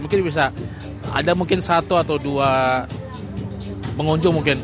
mungkin bisa ada mungkin satu atau dua pengunjung mungkin